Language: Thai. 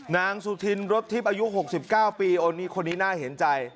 นางสุธินรถทิพย์อายุ๖๙ปีโอ้นี่คนนี้น่าเห็นใจ